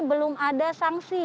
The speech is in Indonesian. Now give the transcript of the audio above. belum ada sanksi